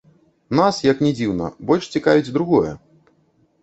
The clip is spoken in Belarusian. Нас, як ні дзіўна, больш цікавіць другое.